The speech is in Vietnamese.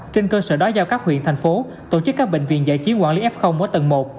trên cơ sở đó giao các huyện thành phố tổ chức các bệnh viện giải chiến quản lý f ở tầng một